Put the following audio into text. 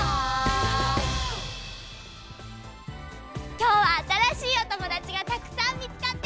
きょうはあたらしいおともだちがたくさんみつかってよかったね。